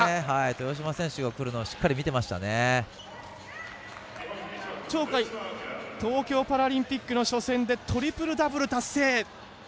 豊島選手が来るのを鳥海東京パラリンピックの初戦でトリプルダブル達成！